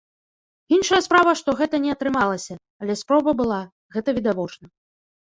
Іншая справа, што гэта не атрымалася, але спроба была, гэта відавочна.